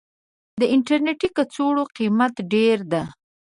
د انټرنيټي کڅوړو قيمت ډير ده.